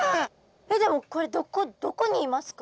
でもこれどこにいますか？